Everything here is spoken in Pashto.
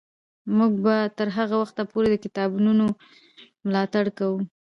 موږ به تر هغه وخته پورې د کتابتونونو ملاتړ کوو.